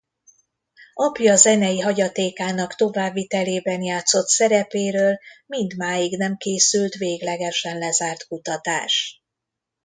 Apja zenei hagyatékának továbbvitelében játszott szerepéről mindmáig nem készült véglegesen lezárt kutatás.